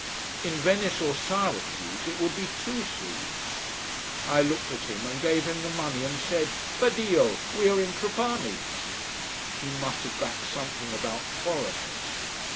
In Venice or Syracuse it would be two sous. I looked at him and gave him the money and said: "Per Dio, we are in Trapani!" He muttered back something about foreigners.